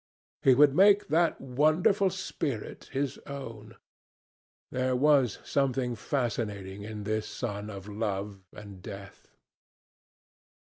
He would make that wonderful spirit his own. There was something fascinating in this son of love and death.